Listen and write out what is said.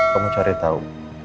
kamu cari tau